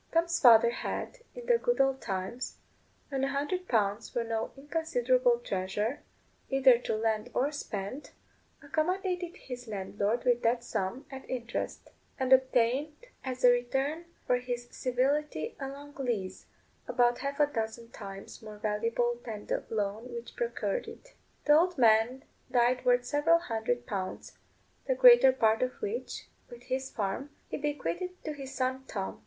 Tom's father had, in the good old times, when a hundred pounds were no inconsiderable treasure, either to lend or spend, accommodated his landlord with that sum, at interest; and obtained as a return for his civility a long lease, about half a dozen times more valuable than the loan which procured it. The old man died worth several hundred pounds, the greater part of which, with his farm, he bequeathed to his son Tom.